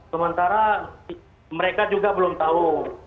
sementara mereka juga belum tahu